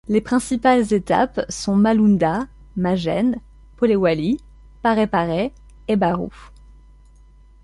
Les principales étapes sont Malunda, Majene, Polewali, Pare-Pare et Barru.